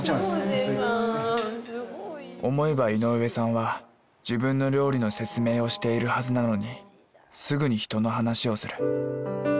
思えば井上さんは自分の料理の説明をしているはずなのにすぐに人の話をする。